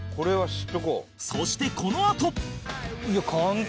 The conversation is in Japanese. そしてこのあと簡単！